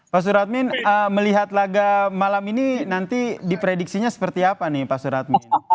pasur admin melihat laga malam ini nanti diprediksinya seperti apa nih pasur admin